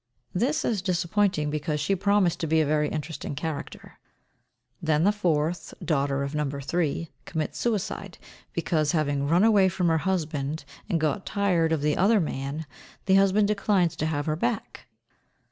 This is disappointing, because she promised to be a very interesting character. Then the fourth, daughter of No. 3, commits suicide, because, having run away from her husband, and got tired of the other man, the husband declines to have her back.